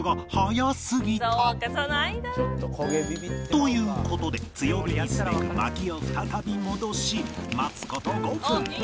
という事で強火にすべく薪を再び戻し待つ事５分